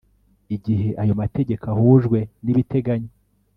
igihe ayo mategeko ahujwe n ibiteganywa